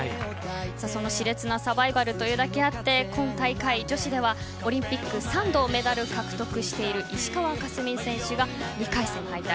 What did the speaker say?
そのし烈なサバイバルというだけあって今大会女子ではオリンピック３度メダル獲得の石川佳純選手が２回戦敗退。